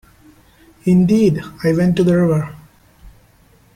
Indeed, I went to the river.